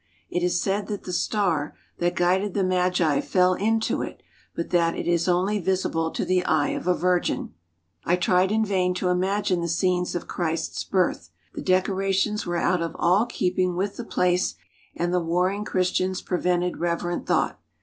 It is said that the star, that guided the Magi fell into it, but that it is only visible to the eye of a virgin. I tried in vain to imagine the scenes of Christ's birth. The decorations were out of all keeping with the place, and the warring Christians prevented reverent thought.